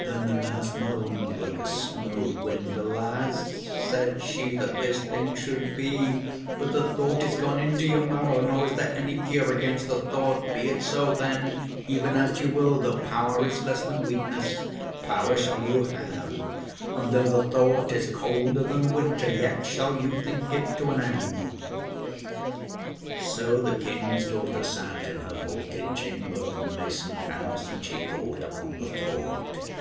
Then the nurse moaned like a snow wind. "Alas!" said she, "that this thing should be; but the thought is gone into your marrow, nor is there any cure against the thought. Be it so, then, even as you will; though power is less than weakness, power shall you have; and though the thought is colder than winter, yet shall you think it to an end." So the King's daughter sat in her vaulted chamber in the masoned house, and she thought upon the thought.